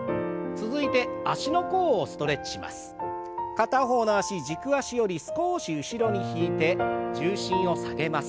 片方の脚軸足より少し後ろに引いて重心を下げます。